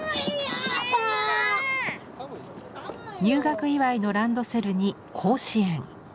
入学祝いのランドセルに甲子園。